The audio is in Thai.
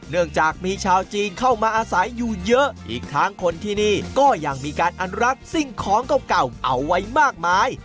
เนื่องจากมีชาวจีนเข้ามาอาศัยอยู่เยอะอีกทั้งคนที่นี่ก็ยังมีการอนุรักษ์สิ่งของเก่าเอาไว้มากมาย